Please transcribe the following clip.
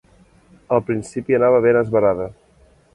Al principi anava ben esverada.